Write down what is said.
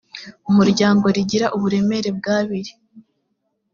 umuryango rigira uburemere bw abiri